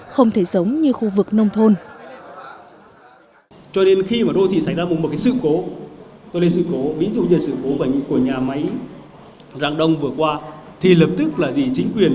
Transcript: không thể giống như khu vực nông thôn